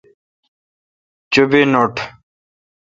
چو بی نوٹ۔